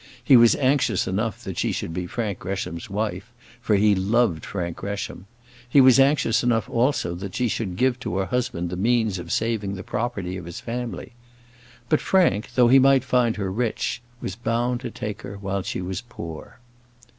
He was anxious enough that she should be Frank Gresham's wife, for he loved Frank Gresham; he was anxious enough, also, that she should give to her husband the means of saving the property of his family. But Frank, though he might find her rich, was bound to take her while she was poor.